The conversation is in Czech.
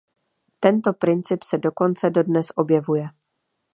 Tento princip se dokonce dodnes objevuje.